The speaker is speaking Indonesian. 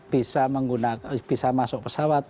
bisa masuk pesawat